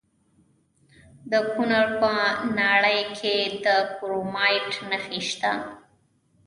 د کونړ په ناړۍ کې د کرومایټ نښې شته.